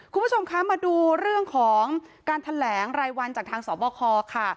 คุณผู้ชมคะมาดูเรื่องของการแถลงรายวันจากทางสบคค่ะ